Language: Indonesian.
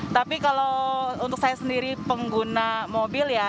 tapi kalau untuk saya sendiri pengguna mobil ya